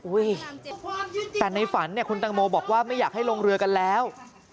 อุ๊ยแต่ในฝันคุณแตงโมบอกว่าไม่อยากให้ลงเรือกันแล้ว